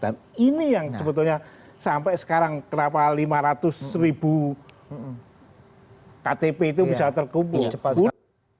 dan ini yang sebetulnya sampai sekarang kenapa lima ratus ribu ktp itu bisa terkumpul